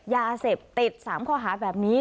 ยาเสพติด๓ข้อหาแบบนี้